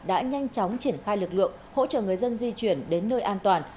đã nhanh chóng triển khai lực lượng hỗ trợ người dân di chuyển đến nơi an toàn